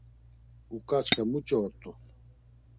Oǩaçxe muç̌o ort̆u?